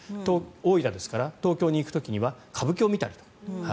大分ですから東京に行く時には歌舞伎を見たりとか。